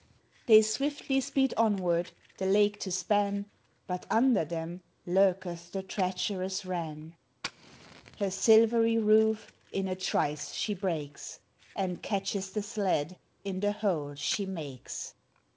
They swiftly speed onward, the lake to span, But under them lurketh the treacherous Ran. Her silvery roof in a trice she breaks, And catches the sled in the hole she makes.